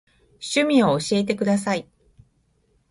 趣味を教えてください。